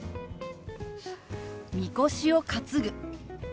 「みこしを担ぐ」。